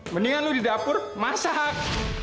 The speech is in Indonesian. mendingan lu di dapur masak